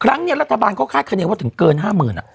ครั้งนี้รัฐบาลเขาคาดคณีว่าถึงเกิน๕๐๐๐๐อ่ะ